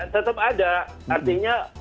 tetap ada artinya